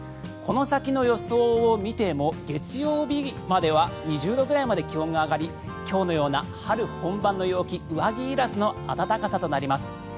この先の予想を見ても月曜日までは２０度ぐらいまで気温が上がり今日のような春本番の陽気上着いらずの暖かさとなります。